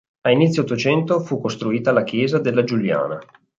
A inizio Ottocento fu costruita la Chiesa della Giuliana.